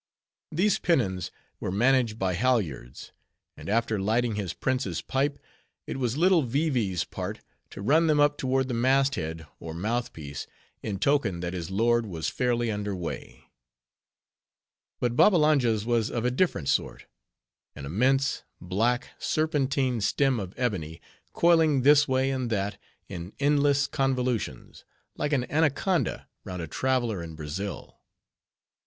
These pennons were managed by halyards; and after lighting his prince's pipe, it was little Vee Vee's part to run them up toward the mast head, or mouthpiece, in token that his lord was fairly under weigh. But Babbalanja's was of a different sort; an immense, black, serpentine stem of ebony, coiling this way and that, in endless convolutions, like an anaconda round a traveler in Brazil.